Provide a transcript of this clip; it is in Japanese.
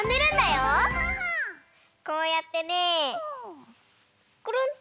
こうやってねくるん。